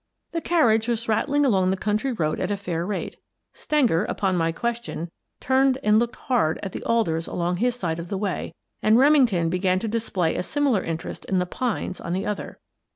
The carriage was rattling along the country road at a fair rate. Stenger, upon my question, turned and looked hard at the alders along his side of the way, and Remington began to display a similar interest in the pines on the other.